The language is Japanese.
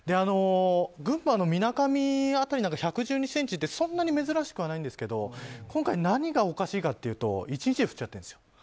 群馬のみなかみ辺りなんかは１１２ｃｍってそんなに珍しくないんですけど今回何がおかしいかというと１日に降っちゃってるんです。